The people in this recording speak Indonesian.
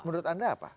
menurut anda apa